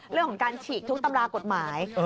เรื่องของการฉีกทุกตำรากฎหมาย